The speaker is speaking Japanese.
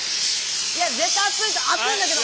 いや絶対熱い熱いんだけど。